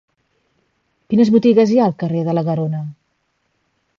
Quines botigues hi ha al carrer de la Garona?